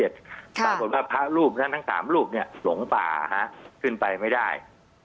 แต่บอกว่าพระรูปนั้นทั้ง๓รูปเนี่ยหลงป่าขึ้นไปไม่ได้